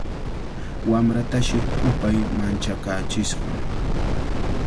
Wamratashi hupay manchakaachishqa.